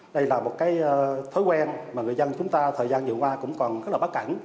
đây là một cái thói quen mà người dân chúng ta thời gian vừa qua cũng còn rất là bất cảnh